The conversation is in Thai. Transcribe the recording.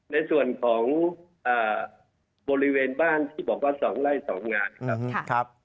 ในส่วนของบริเวณบ้านที่บอกว่า๒ไร่๒งานนะครับ